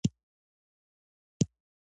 څنګه کولی شم د ټکټاک ډاونلوډ پرته ویډیو سیف کړم